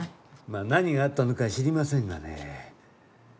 まあ何があったのかは知りませんがね